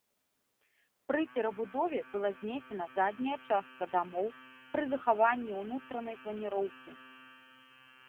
Пры перабудове была знесена задняя частка дамоў пры захаванні ўнутранай планіроўкі.